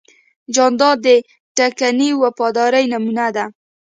جانداد د ټینګې وفادارۍ نمونه ده.